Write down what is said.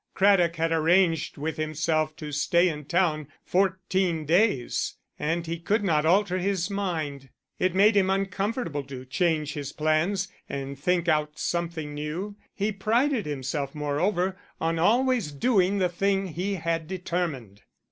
Craddock had arranged with himself to stay in town fourteen days, and he could not alter his mind. It made him uncomfortable to change his plans and think out something new; he prided himself, moreover, on always doing the thing he had determined.